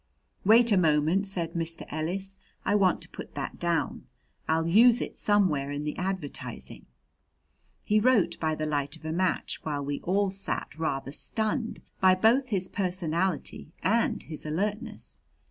"Wait a moment," said Mr. Ellis; "I want to put that down. I'll use it somewhere in the advertising." He wrote by the light of a match, while we all sat rather stunned by both his personality and his alertness.